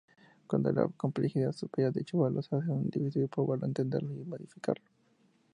Cuando la complejidad supera dicho valor se hace muy difícil probarlo, entenderlo y modificarlo.